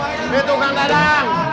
itu kang gadang